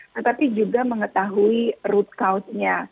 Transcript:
tetapi juga mengetahui root cause nya